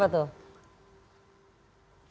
periksa rekam jejak